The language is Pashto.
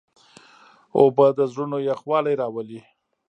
اوبه د زړونو یخوالی راولي.